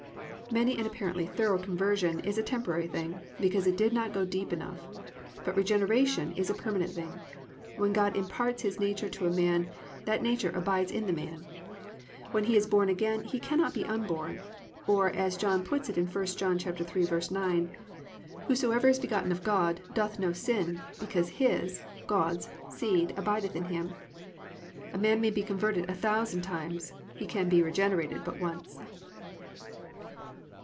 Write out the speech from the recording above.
Many an apparently thorough conversion is a temporary thing because it did not go deep enough, but regeneration is a permanent thing. When God imparts His nature to a man, that nature abides in the man. When he is born again he cannot be unborn, or as John puts it in 1 John 3:9, +"Whosoever is begotten of God doth no sin, because his (God's) seed abideth in him."+ A man may be converted a thousand times, he can be regenerated but once.